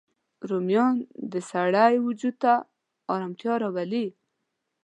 رومیان د سړی وجود ته ارامتیا راولي